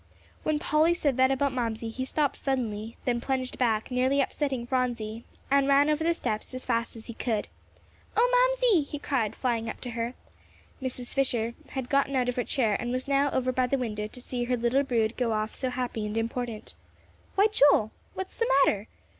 When Polly said that about Mamsie, he stopped suddenly, then plunged back, nearly upsetting Phronsie, and ran over the steps as fast as he could. "Oh, Mamsie," he cried, flying up to her. Mrs. Fisher had gotten out of her chair, and was now over by the window to see her little brood go off so happy and important. "Why, Joel!" she exclaimed, "what's the matter?"